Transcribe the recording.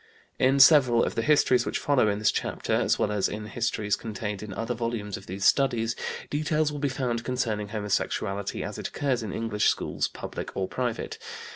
In several of the Histories which follow in this chapter, as well as in Histories contained in other volumes of these Studies, details will be found concerning homosexuality as it occurs in English schools, public or private.